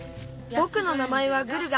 ぼくの名まえはグルガ。